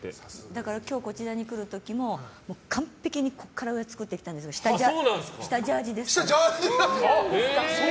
だから、今日こちらに来る時も完璧に顔は作ってきたんですが下はジャージーです。